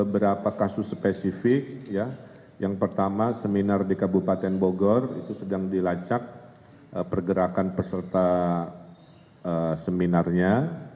beberapa kasus spesifik yang pertama seminar di kabupaten bogor itu sedang dilacak pergerakan peserta seminarnya